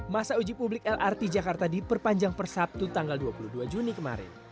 masa uji publik lrt jakarta diperpanjang per sabtu tanggal dua puluh dua juni kemarin